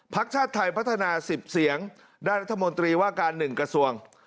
ชาติไทยพัฒนา๑๐เสียงด้านรัฐมนตรีว่าการ๑กระทรวง